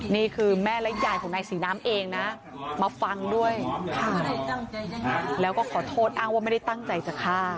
นี่คือแม่และยายของนายศรีน้ำเองนะมาฟังด้วยแล้วก็ขอโทษอ้างว่าไม่ได้ตั้งใจจะฆ่า